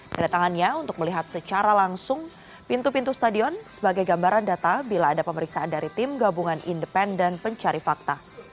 kedatangannya untuk melihat secara langsung pintu pintu stadion sebagai gambaran data bila ada pemeriksaan dari tim gabungan independen pencari fakta